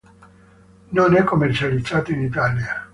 Non è commercializzato in Italia.